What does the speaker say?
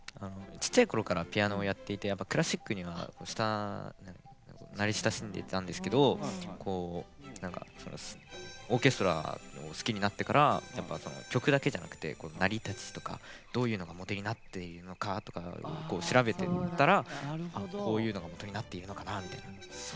小さいころからピアノをやっていてクラシックに慣れ親しんでいたんですけどオーケストラを好きになってから曲だけじゃなくて、成り立ちとかどういうのがモデルになっているのかとかを調べていったらこういうのが元になっているのかみたいな。